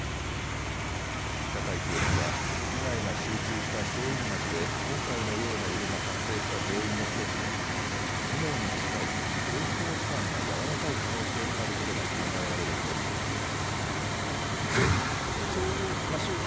境教授は被害が集中した正院町で今回のような揺れが発生した原因の１つに地面に近い表層地盤が軟らかい可能性があることが考えられるとしています。